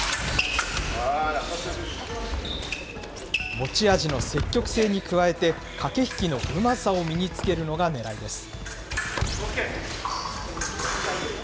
持ち味の積極性に加えて、駆け引きのうまさを身につけるのがねらいです。